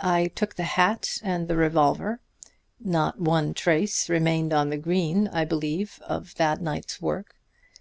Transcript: I took the hat and the revolver. Not one trace remained on the green, I believe, of that night's work.